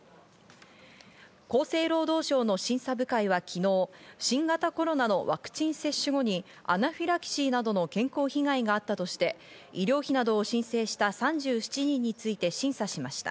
厚生労働省の審査部会は昨日、新型コロナのワクチン接種後にアナフィラキシーなどの健康被害があったとして、医療費などを申請した３７人について審査しました。